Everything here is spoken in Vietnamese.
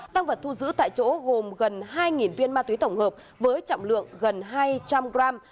tăng vật thu giữ tại chỗ gồm gần hai viên ma túy tổng hợp với trọng lượng gần hai trăm linh gram